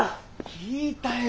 聞いたよ。